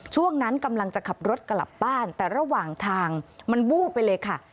ช่วงนั้นกำลังจะขับรถกลับบ้านแต่ระหว่างทางมันวูบไปเลยค่ะ